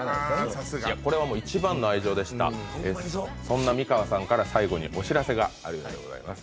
さすがこれはもう一番の愛情でしたホンマにそうそんな美川さんから最後にお知らせがあるようでございます